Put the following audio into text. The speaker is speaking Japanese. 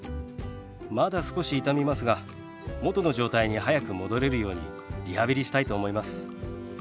まだ少し痛みますが元の状態に早く戻れるようにリハビリしたいと思います。